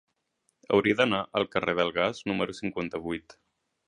Hauria d'anar al carrer del Gas número cinquanta-vuit.